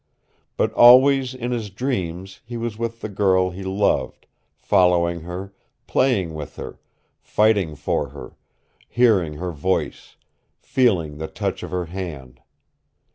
But always in his dreams he was with the girl he loved, following her, playing with her, fighting for her, hearing her voice feeling the touch of her hand.